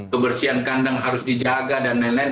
kebersihan kandang harus dijaga dan lain lain